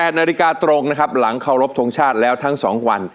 ๘นาฬิกาตรงนะครับหลังเคารพทงชาติแล้วทั้ง๒วัน